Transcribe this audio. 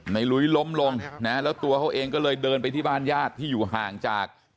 ลุยล้มลงนะแล้วตัวเขาเองก็เลยเดินไปที่บ้านญาติที่อยู่ห่างจาก